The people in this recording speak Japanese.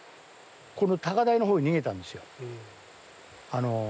この高台の方に逃げたんですよ。